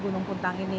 gunung puntang ini